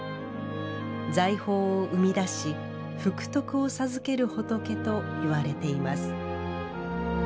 財宝を生み出し、福徳を授ける仏と言われています。